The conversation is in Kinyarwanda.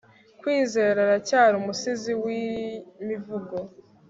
kwizera aracyari umusizi w'imivugo